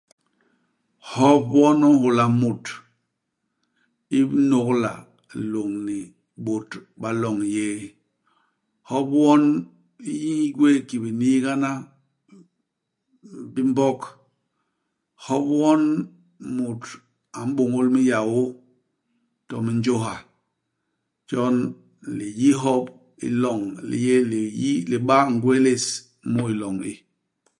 Hop won u nhôla mut inôgla lôñni bôt ba loñ yéé. Hop won u gwéé ki biniigana bi Mbog. Hop won mut a m'bôñôl minyaô, to minjôha. Jon liyi hop u loñ li yé liyi liba ngwélés mut iloñ i.